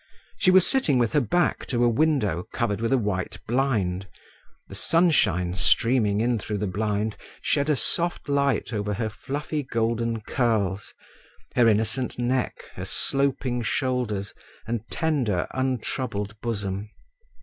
She was sitting with her back to a window covered with a white blind, the sunshine, streaming in through the blind, shed a soft light over her fluffy golden curls, her innocent neck, her sloping shoulders, and tender untroubled bosom.